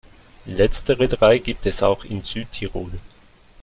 Letztere drei gibt es auch in Südtirol.